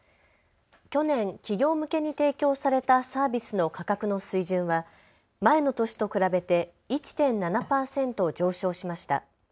去年、企業向けに提供されたサービスの価格の水準は前の年と比べて１．７％上昇しました。